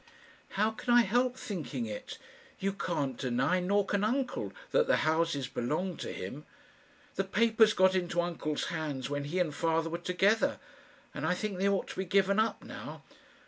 "How can I help thinking it? You can't deny, nor can uncle, that the houses belong to him. The papers got into uncle's hands when he and father were together, and I think they ought to be given up now.